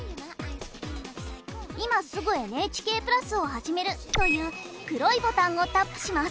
「今すぐＮＨＫプラスをはじめる」という黒いボタンをタップします。